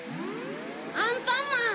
アンパンマン！